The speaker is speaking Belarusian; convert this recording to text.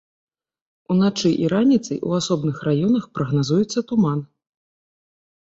Уначы і раніцай у асобных раёнах прагназуецца туман.